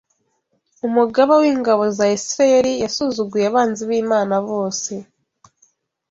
umugaba w’ingabo za Isirayeli, yasuzuguye abanzi b’Imana bose